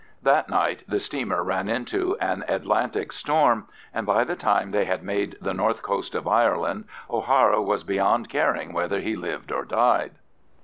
That night the steamer ran into an Atlantic storm, and by the time they had made the north coast of Ireland, O'Hara was beyond caring whether he lived or died.